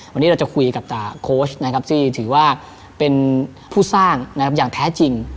วันนี้เราจะคุยกับการที่ถือว่าเป็นผู้สร้างอย่างแท้จริง